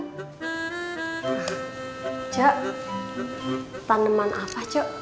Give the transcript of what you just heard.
nah ce taneman apa ce